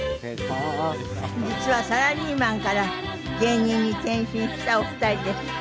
実はサラリーマンから芸人に転身したお二人です。